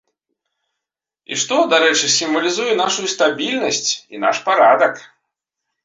І што, дарэчы, сімвалізуе нашую стабільнасць і наш парадак.